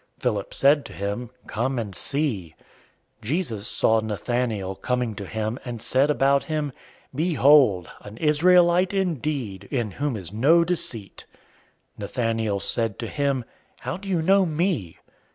Philip said to him, "Come and see." 001:047 Jesus saw Nathanael coming to him, and said about him, "Behold, an Israelite indeed, in whom is no deceit!" 001:048 Nathanael said to him, "How do you know me?"